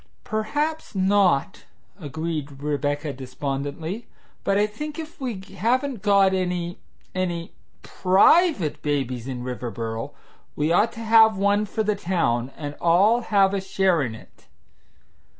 "Perhaps not," agreed Rebecca despondently, "but I think if we haven't got any any PRIVATE babies in Riverboro we ought to have one for the town, and all have a share in it.